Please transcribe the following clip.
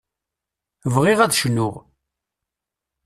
Bɣiɣ ad cnuɣ.